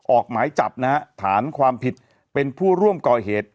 ออกหมายจับนะฮะฐานความผิดเป็นผู้ร่วมก่อเหตุ